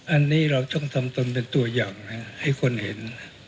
อันนี้เราต้องทำตนเป็นตัวอย่างให้คนเห็น